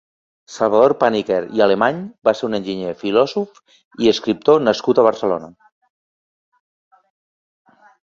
Salvador Pàniker i Alemany va ser un enginyer, filòsof i escriptor nascut a Barcelona.